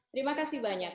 terima kasih banyak